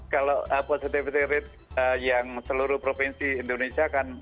kalau positivity rate yang seluruh provinsi indonesia kan